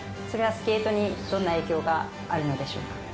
それはスケートにどんな影響があるのでしょうか。